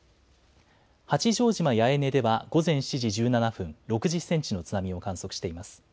八丈島八重根では午前７時１７分、６０センチの津波を観測しています。